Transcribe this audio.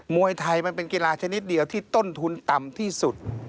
วยไทยมันเป็นกีฬาชนิดเดียวที่ต้นทุนต่ำที่สุด